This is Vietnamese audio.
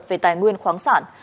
về tài nguyên khoáng sản